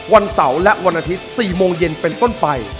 วันเสาร์และวันอาทิตย์๔โมงเย็นเป็นต้นไป